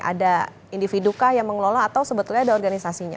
ada individu kah yang mengelola atau sebetulnya ada organisasinya